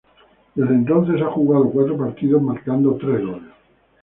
Desde entonces, ha jugado cuatro partidos marcando tres goles.